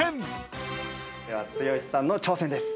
剛さんの挑戦です。